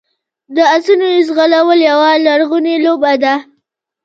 د اسونو ځغلول یوه لرغونې لوبه ده.